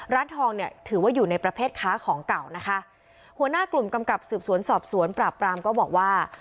ร้านทองเนี่ยถือว่าอยู่ในประเภทค้าของเก่านะคะหัวหน้ากลุ่มกำกับสืบสวนสอบสวนปราบปรามก็บอกว่า